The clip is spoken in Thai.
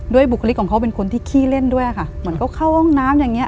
บุคลิกของเขาเป็นคนที่ขี้เล่นด้วยค่ะเหมือนเขาเข้าห้องน้ำอย่างเงี้